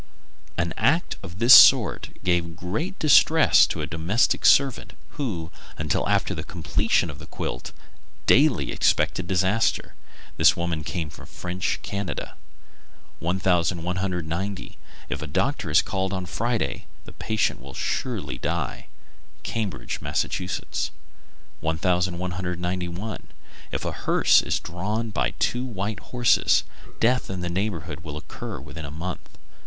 _ An act of this sort gave great distress to a domestic servant, who, until after the completion of the quilt, daily expected disaster. This woman came from French Canada. 1190. If a doctor is called on Friday, the patient will surely die. Cambridge, Mass. 1191. If a hearse is drawn by two white horses, death in the neighborhood will occur within a month.